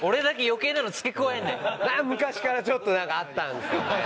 昔からちょっと何かあったんですよね。